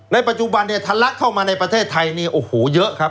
ปัจจุบันเนี่ยทะลักเข้ามาในประเทศไทยเนี่ยโอ้โหเยอะครับ